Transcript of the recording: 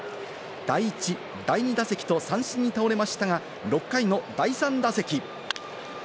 第１、第２打席と三振に倒れましたが、６回の第３打席。